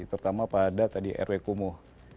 terutama pada tadi rw kumuh